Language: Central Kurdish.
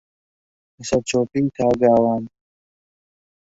لەسەرچۆپی تا گاوان